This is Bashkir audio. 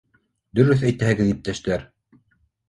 — Дөрөҫ әйтәһегеҙ, иптәштәр.